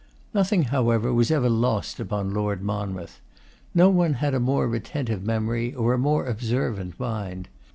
Nothing, however, was ever lost upon Lord Monmouth. No one had a more retentive memory, or a more observant mind.